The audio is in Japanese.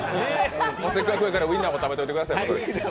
せっかくやからウインナーも食べてください。